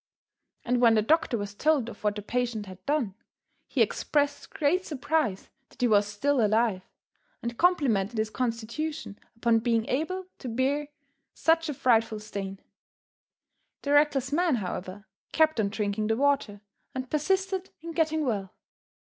And when the doctor was told of what the patient had done, he expressed great surprise that he was still alive, and complimented his constitution upon being able to bear such a frightful strain. The reckless men, however, kept on drinking the water, and persisted in getting well.